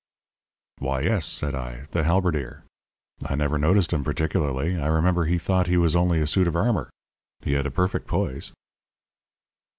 "Why, yes," said I. "The halberdier. I never noticed him particularly. I remember he thought he was only a suit of armour. He had a perfect poise."